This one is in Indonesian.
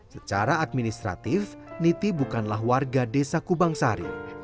secara administratif niti bukanlah warga desa kubang sari